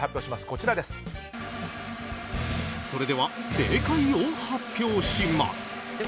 それでは、正解を発表します。